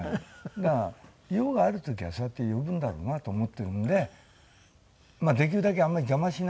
だから用がある時はそうやって呼ぶんだろうなと思ってるんでできるだけあんまり邪魔しないように。